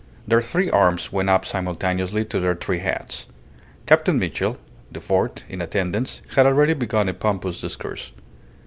Their three arms went up simultaneously to their three hats. Captain Mitchell, the fourth, in attendance, had already begun a pompous discourse.